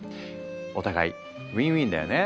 お互いウィンウィンだよね。